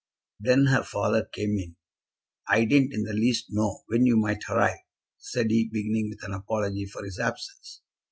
Then her father came in. "I didn't in the least know when you might arrive," said he, beginning with an apology for his absence.